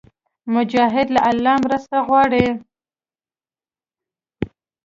مجاهد له الله مرسته غواړي.